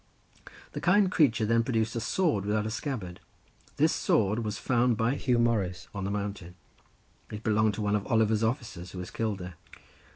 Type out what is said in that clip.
The kind creature then produced a sword without a scabbard; this sword was found by Huw Morris on the mountain—it belonged to one of Oliver's officers who was killed there.